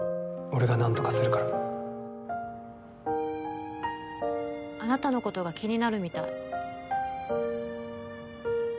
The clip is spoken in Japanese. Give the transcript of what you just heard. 俺が何とかするからあなたの事が気になるみたい。